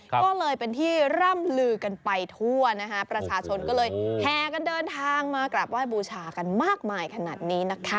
ก็เลยเป็นที่ร่ำลือกันไปทั่วนะคะประชาชนก็เลยแห่กันเดินทางมากราบไหว้บูชากันมากมายขนาดนี้นะคะ